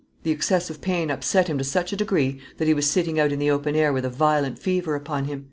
The excessive pain upset him to such a degree that he was sitting out in the open air with a violent fever upon him.